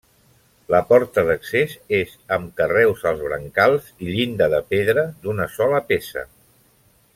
La porta d'accés és amb carreus als brancals i llinda de pedra d'una sola peça.